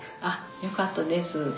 あっよかったです。